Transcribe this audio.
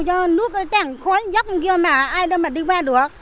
cho nước tràn khói dắt bên kia mà ai đâu mà đi qua được